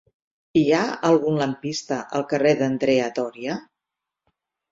Hi ha algun lampista al carrer d'Andrea Doria?